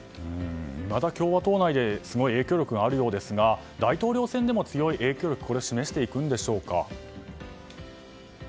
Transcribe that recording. また共和党内で影響力があるようですが大統領選でも強い影響力を示していくんでしょうか。